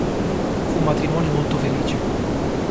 Fu un matrimonio molto felice.